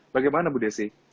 bagaimana bu desi